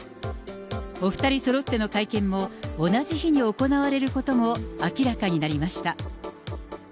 お２人そろっての会見も、同じ日に行われることも明らかになりました。